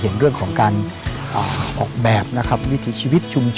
นนนนนน